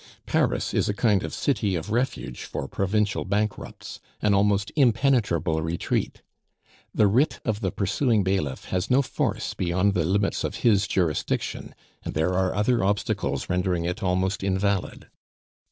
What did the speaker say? Paris is a kind of City of Refuge for provincial bankrupts, an almost impenetrable retreat; the writ of the pursuing bailiff has no force beyond the limits of his jurisdiction, and there are other obstacles rendering it almost invalid.